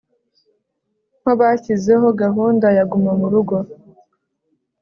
Nko bashyizeho gahunda ya guma mu rugo